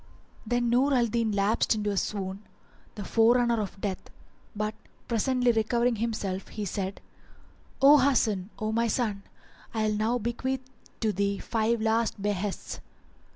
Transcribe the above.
Then Nur al Din lapsed into a swoon, the forerunner of death; but presently recovering himself he said, "O Hasan, O my son, I will now bequeath to thee five last behests.